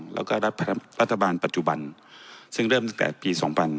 แล้วก็รัฐบาลปัจจุบันซึ่งเริ่มตั้งแต่ปี๒๕๕๙